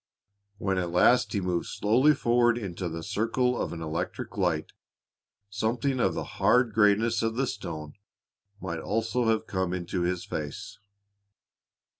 When at last he moved slowly forward into the circle of an electric light, something of the hard grayness of the stone might almost have come into his face.